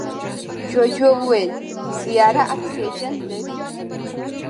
جوجو وویل سیاره اکسیجن لري.